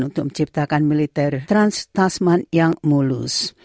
untuk menciptakan militer trans tasman yang mulus